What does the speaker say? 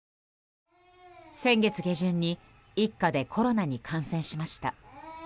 先月下旬に一家でコロナに感染しました。